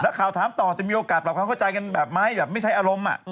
ข่าวถามต่อจะมีโอกาสปรับความเข้าใจกันแบบไหมแบบไม่ใช้อารมณ์